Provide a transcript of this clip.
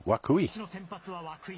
中日の先発は涌井。